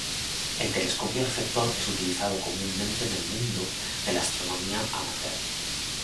El telescopio reflector es utilizado comúnmente en el mundo de la astronomía amateur.